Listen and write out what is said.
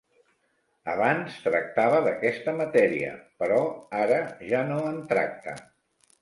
Abans tractava d'aquesta matèria, però ara ja no en tracta.